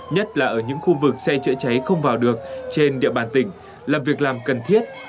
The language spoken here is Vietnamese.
nhất là ở những khu vực xe chữa cháy không vào được trên địa bàn tỉnh là việc làm cần thiết